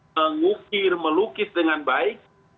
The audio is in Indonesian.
mengukir melukis dengan baik